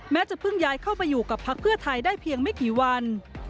จะเพิ่งย้ายเข้าไปอยู่กับพักเพื่อไทยได้เพียงไม่กี่วัน